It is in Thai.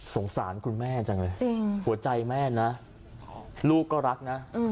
สารคุณแม่จังเลยหัวใจแม่นะลูกก็รักนะ